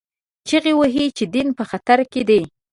چیغې وهي چې دین په خطر کې دی